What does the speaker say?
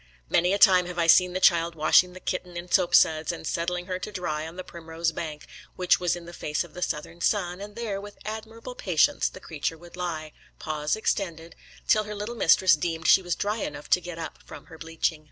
Many a time have I seen the child washing the kitten in soap suds, and setting her to dry on the primrose bank, which was in the face of the southern sun, and there with admirable patience the creature would lie, paws extended, till her little mistress deemed she was dry enough to get up from her bleaching.